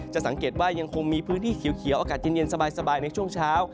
สังเกตว่ายังคงมีพื้นที่เขียวอากาศเย็นสบายในช่วงเช้า